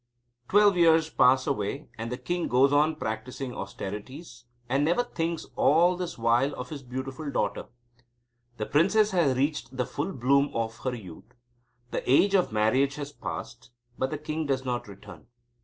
Twelve years pass away, and the king goes on practising austerities, and never thinks all this while of his beautiful daughter. The princess has reached the full bloom of her youth. The age of marriage has passed, but the king does not return.